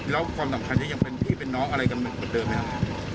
แล้วความสำคัญนี้ยังเป็นพี่เป็นน้องอะไรกันเหมือนเดิมไหมครับ